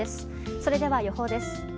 それでは、予報です。